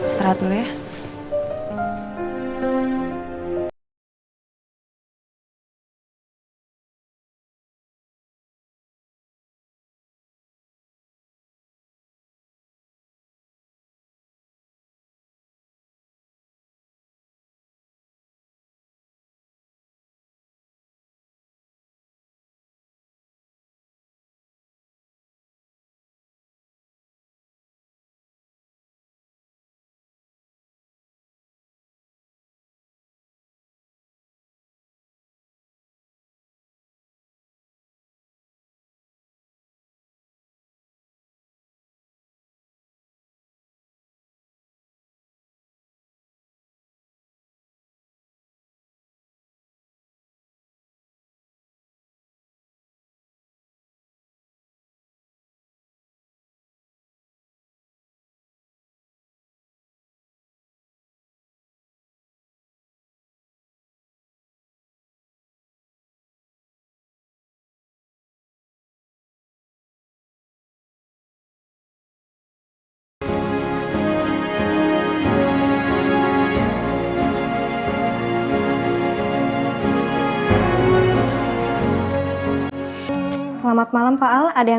seterah dulu ya